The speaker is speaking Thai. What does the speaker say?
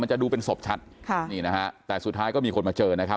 จะดูเป็นศพชัดค่ะนี่นะฮะแต่สุดท้ายก็มีคนมาเจอนะครับ